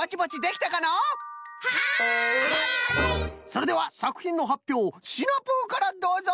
それではさくひんのはっぴょうシナプーからどうぞ！